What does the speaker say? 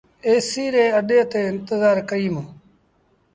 ايسيٚ ري اَڏي تي انتزآر ڪيٚم۔